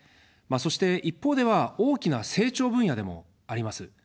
そして、一方では大きな成長分野でもあります。